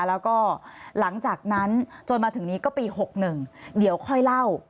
แล้วก็หลังจากนั้นจนมาถึงนี้ก็ปี๖๑เดี๋ยวค่อยเล่า